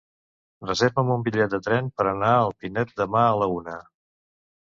Reserva'm un bitllet de tren per anar a Pinet demà a la una.